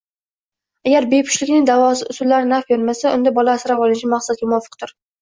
Agar bepushtlikning davo usullari naf bermasa, unda bola asrab olinishi maqsadga muvofiqdir.